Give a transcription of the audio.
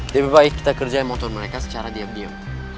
lebih baik kita kerjain motor mereka secara diam diam